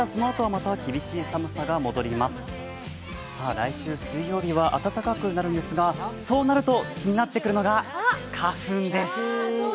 来週水曜日は暖かくなるんですが、そうなると気になってくるのが花粉です。